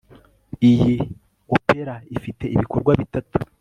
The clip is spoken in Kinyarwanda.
Iyi opera ifite ibikorwa bitatu